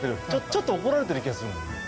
ちょっと怒られてる気がするもんね。